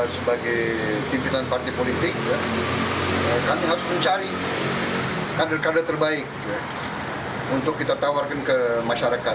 sebagai pimpinan partai politik kami harus mencari kader kader terbaik untuk kita tawarkan ke masyarakat